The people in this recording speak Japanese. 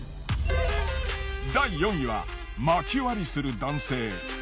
第４位は薪割りする男性。